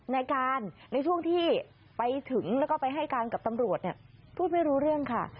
ในการในช่วงที่ไปถึงแล้วก็ไปให้การกับตำรวจเนี่ยพูดไม่รู้เรื่องค่ะ